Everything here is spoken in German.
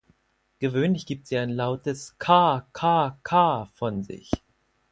Gewöhnlich gibt sie ein lautes "kaaa-kaaa-kaaa" von sich.